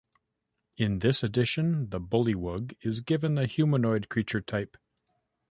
In this edition, the bullywug is given the humanoid creature type.